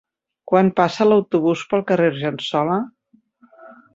Quan passa l'autobús pel carrer Argensola?